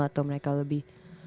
atau mereka lebih